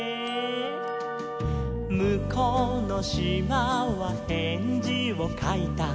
「むこうのしまはへんじをかいた」